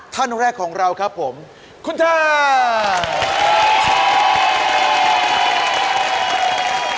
ท่านแรกของเราครับผมคุณทา